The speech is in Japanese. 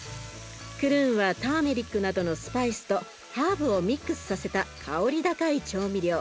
クルーンはターメリックなどのスパイスとハーブをミックスさせた香り高い調味料。